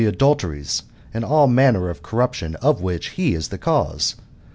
99 ^' adulteries and all manner of corruption of which he \i the cause.